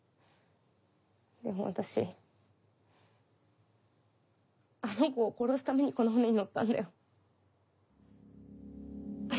でも私あの子を殺すためにこの船に乗ったんだよ？